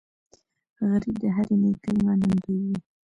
غریب د هرې نیکۍ منندوی وي